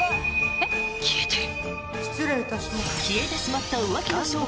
えっ、消えてる？